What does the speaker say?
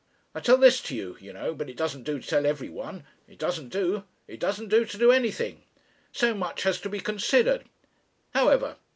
I tell this to you, you know, but it doesn't do to tell everyone. It doesn't do. It doesn't do to do anything. So much has to be considered. However